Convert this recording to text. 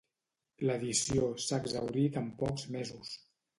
L'edició s'ha exhaurit en pocs mesos.